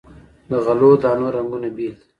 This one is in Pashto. د غلو دانو رنګونه بیل دي.